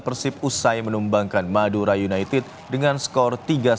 persib menang dengan skor tiga satu